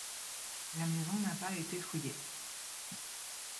La maison n'a pas été fouillée.